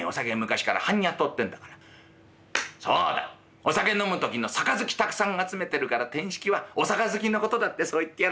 お酒飲む時の盃たくさん集めてるから『転失気はお盃のことだ』ってそう言ってやろう。